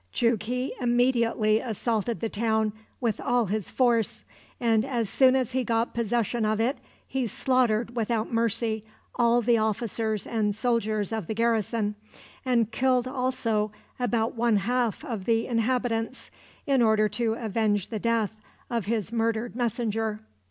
Jughi immediately assaulted the town with all his force, and as soon as he got possession of it he slaughtered without mercy all the officers and soldiers of the garrison, and killed also about one half of the inhabitants, in order to avenge the death of his murdered messenger.